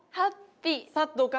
サッドか？